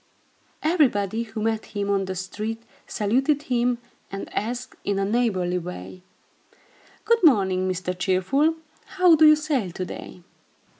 Everybody, who met him on the street, saluted him and asked, in a neighborly way: "Good morning, Mynheer Bly moe dig (Mr. Cheerful). How do you sail to day?"